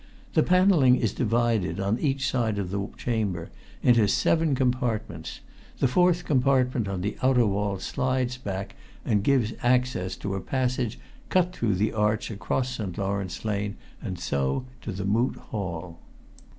The panelling is divided, on each wall of the chamber, into seven compartments; the fourth compartment on the outer wall slides back, and gives access to a passage cut through the arch across St. Lawrence Lane and so to the Moot Hall."